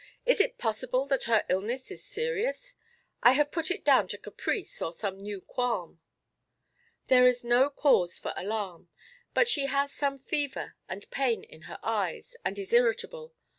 Is it possible that her illness is serious? I have put it down to caprice or some new qualm." "There is no cause for alarm. But she has some fever, and pain in her eyes, and is irritable.